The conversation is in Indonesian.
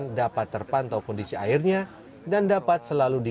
dan dikonsumsi oleh pengelola washtafel ini bisa menjadi solusi